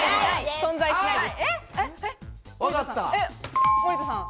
存在しないです。